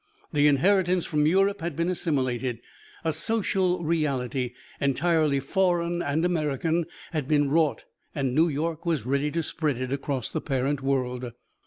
The inheritance from Europe had been assimilated; a social reality, entirely foreign and American, had been wrought and New York was ready to spread it across the parent world.